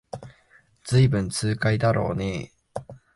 ずいぶん痛快だろうねえ